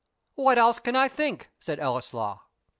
"What else can I think?" said Ellieslaw.